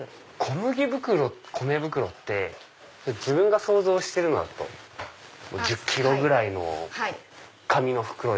小麦袋米袋って自分が想像してるのだと１０ｋｇぐらいの紙の袋。